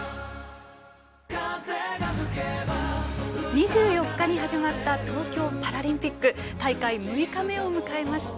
２４日に始まった東京パラリンピック大会６日目を迎えました。